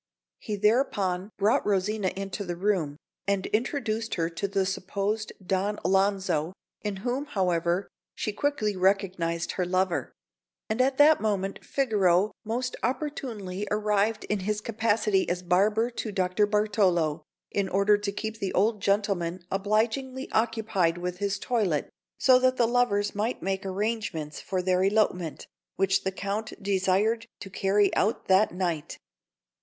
He thereupon brought Rosina into the room, and introduced her to the supposed Don Alonzo, in whom, however, she quickly recognised her lover; and at that moment Figaro most opportunely arrived in his capacity as barber to Dr. Bartolo, in order to keep the old gentleman obligingly occupied with his toilet so that the lovers might make arrangements for their elopement, which the Count desired to carry out that night.